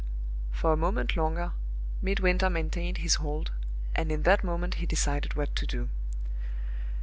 For a moment longer Midwinter maintained his hold, and in that moment he decided what to do.